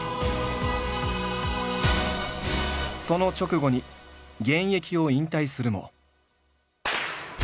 その直後に現役を引退するも。